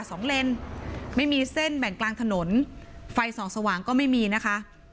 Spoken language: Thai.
สองเลนไม่มีเส้นแบ่งกลางถนนไฟสองสว่างก็ไม่มีนะคะ